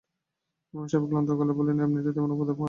ইমাম সাহেব ক্লান্ত গলায় বললেন, এমনিতে তেমন উপদ্রব করে না।